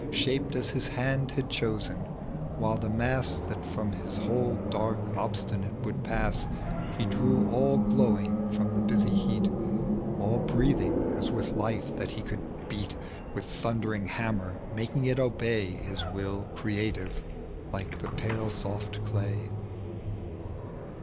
i; Shaped aa his hand had chosen, while the mass That fVom his hold, dark, obstinate, would pass, He drew all glowing from the basy heat. All breathing as with life that he could beat With thundering hammer, making it obey His will creative, like the pale soft clay.